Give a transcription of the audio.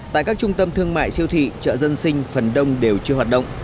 tại các trung tâm thương mại siêu thị chợ dân sinh phần đông đều chưa hoạt động